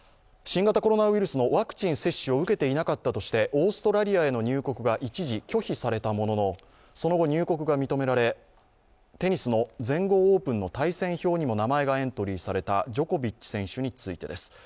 新型コロナウイルスのワクチン接種を受けていなかったとしてオーストラリアへの入国が一時拒否されたもののその後、入国が認められ、テニスの全豪オープンの対戦表にも名前がエントリーされたジョコビッチ選手についてです。